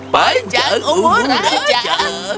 panjang umur raja